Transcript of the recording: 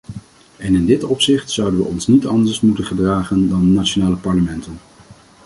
En in dit opzicht zouden we ons niet anders moeten gedragen dan nationale parlementen.